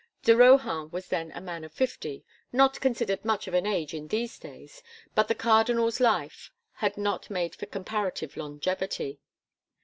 De Rohan was then a man of fifty not considered much of an age in these days, but the Cardinal's life had not made for comparative longevity.